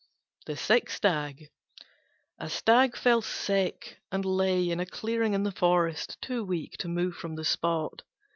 THE SICK STAG A Stag fell sick and lay in a clearing in the forest, too weak to move from the spot.